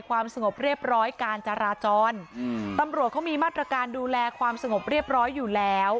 ความสงบเรียบร้อยการจราจรอืมตำรวจเขามีมาตรการดูแลความสงบเรียบร้อยอยู่แล้ว